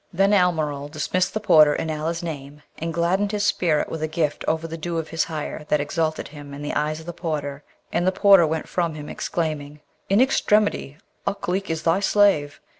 Then Almeryl dismissed the porter in Allah's name, and gladdened his spirit with a gift over the due of his hire that exalted him in the eyes of the porter, and the porter went from him, exclaiming, 'In extremity Ukleet is thy slave!'